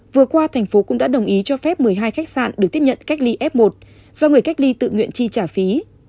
vừa qua thành phố cũng đã đồng ý cho phép một mươi hai khách sạn được tiếp nhận cách ly f một do người cách ly tự nguyện chi trả phí